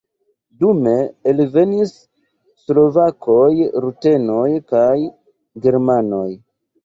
Dume alvenis slovakoj, rutenoj kaj germanoj.